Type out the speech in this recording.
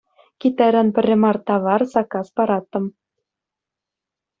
Китайран пӗрре мар тавар саккас параттӑм.